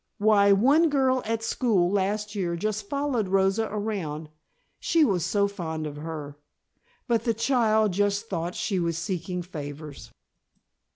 Why, one girl at school last year just followed Rosa around, she was so fond of her. But the child just thought she was seeking favors."